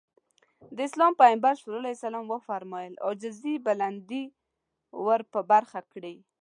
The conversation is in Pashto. د اسلام پيغمبر ص وفرمايل عاجزي بلندي ورپه برخه کړي.